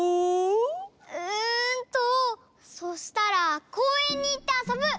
うんとそしたらこうえんにいってあそぶ！